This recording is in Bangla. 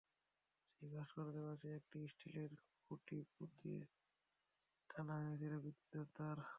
সেই ভাস্কর্যের পাশে একটি স্টিলের খুঁটি পুঁতে টানা হয়েছে বিদ্যুতের তার।